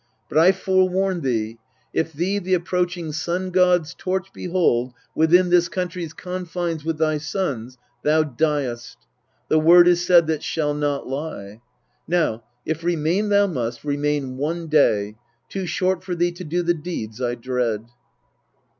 But I forewarn thee, If thee the approaching Sun god's torch behold Within this country's confines with thy sons, Thou diest the word is said that shall not lie. Now, if remain thou must, remain one day Too short for thee to do the deeds I dread.